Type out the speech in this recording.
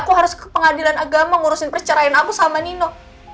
aku harus ke pengadilan agama ngurusin perceraian aku sama nino